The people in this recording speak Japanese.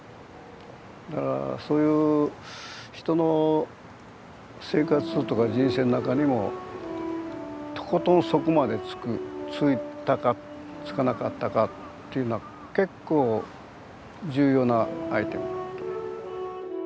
だからそういう人の生活とか人生の中にもとことん底までつくついたかつかなかったかっていうのは結構重要なアイテム。